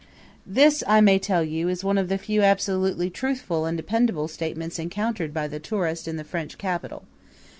This, I may tell you, is one of the few absolutely truthful and dependable statements encountered by the tourist in the French capital.